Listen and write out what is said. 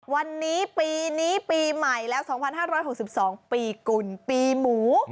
วันนี้ปีนี้ปีใหม่แล้ว๒๕๖๒ปีกุลปีหมู